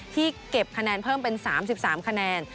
เก็บคะแนนเพิ่มเป็น๓๓คะแนน